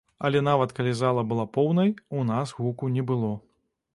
Але нават калі зала была поўнай, у нас гуку не было.